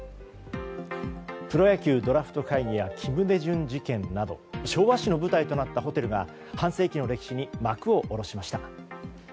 プロ野球ドラフト会議や金大中事件など昭和史の舞台となったホテルが半世紀の歴史に幕を下ろしました。